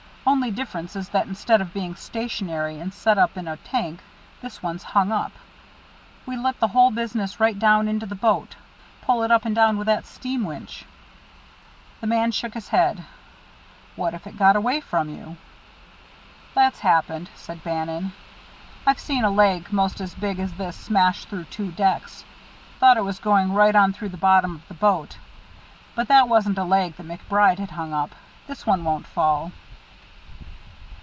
Only difference is that instead of being stationary and set up in a tank, this one's hung up. We let the whole business right down into the boat. Pull it up and down with that steam winch." The man shook his head. "What if it got away from you?" "That's happened," said Bannon. "I've seen a leg most as big as this smash through two decks. Thought it was going right on through the bottom of the boat. But that wasn't a leg that MacBride had hung up. This one won't fall."